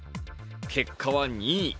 結果は２位。